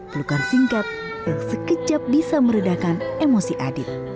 pelukan singkat yang sekejap bisa meredakan emosi adit